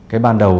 cái ban đầu